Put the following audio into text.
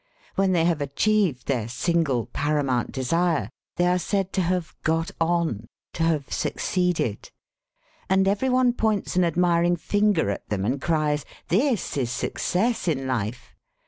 When they have achieved their single paramount desire, they are said to have 'got on,' to have succeeded. And every one points an admiring finger at them and cries, 'This is success in life!'